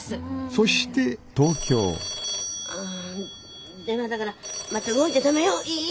そして☎ああ電話だからまた動いちゃ駄目よいい？